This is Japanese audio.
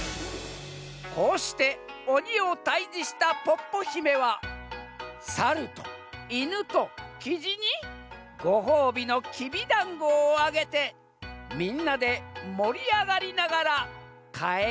「こうしておにをたいじしたポッポひめはサルとイヌとキジにごほうびのきびだんごをあげてみんなでもりあがりながらかえりましたとさ。